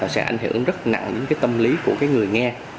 sẽ ảnh hưởng rất nặng đến cái tâm lý của cái người nghe